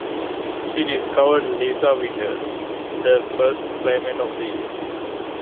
She discovered Lisa Winters, the first Playmate of the Year.